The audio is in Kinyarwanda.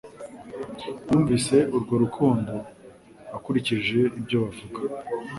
yumvise urwo rukundo ukurikije ibyo bavuga